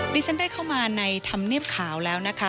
ดิฉันได้เข้ามาในธรรมเนียบขาวแล้วนะคะ